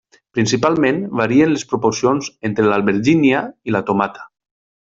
Principalment varien les proporcions entre l'albergínia i la tomata.